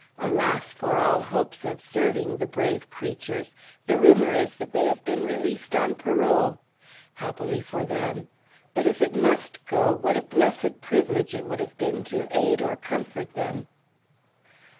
Alas, for all hopes of serving the brave creatures! the rumor is that they have been released on parole. Happily for them; but if it must go, what a blessed privilege it would have been to aid or comfort them!